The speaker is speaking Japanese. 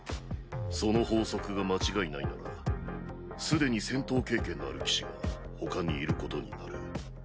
その法則が間違いないならすでに戦闘経験のある騎士がほかにいることになる。